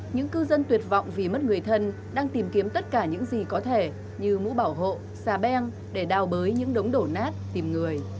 những cư dân tuyệt vọng vì mất người thân đang tìm kiếm tất cả những gì có thể như mũ bảo hộ xà beng để đào bới những đống đổ nát tìm người